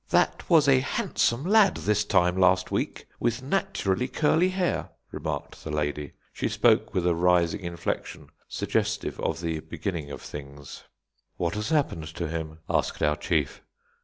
"That was a handsome lad this time last week, with naturally curly hair," remarked the lady. She spoke with a rising inflection, suggestive of the beginning of things. "What has happened to him?" asked our chief.